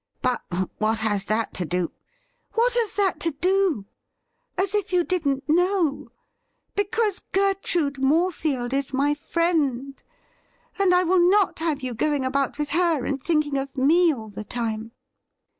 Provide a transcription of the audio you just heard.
' But what has that to do '' What has that to do ? As if you didn't know ! Because Gertrude Morefield is my friend, and I will not have you going about with her and thinking of me all the time.'